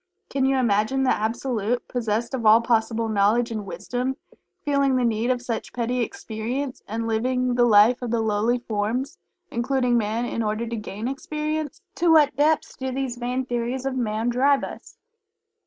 Can you imagine the Absolute, possessed of all possible Knowledge and Wisdom, feeling the need of such petty "experience," and living the life of the lowly forms (including Man) in order "to gain experience?" To what Depths do these vain theories of Man drive us?